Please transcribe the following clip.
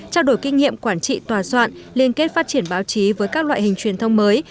trao đổi kinh nghiệm quản trị tòa soạn liên kết phát triển báo chí với các loại hình truyền thông mới